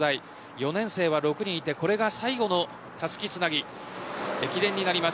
４年生は６人いてこれが最後のたすきつなぎ駅伝になります。